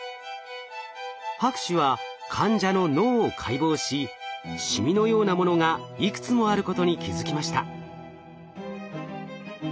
博士は患者の脳を解剖しシミのようなものがいくつもあることに気付きました。